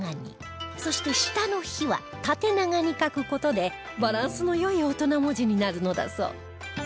そして下の「日」は縦長に書く事でバランスの良い大人文字になるのだそう